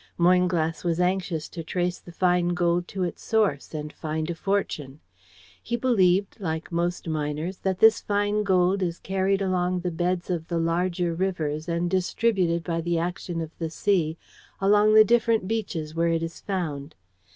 Moynglass was anxious to trace the fine gold to its source, and find a fortune. He believed, like most miners, that this fine gold is carried along the beds of the larger rivers and distributed by the action of the sea along the different beaches where it is found.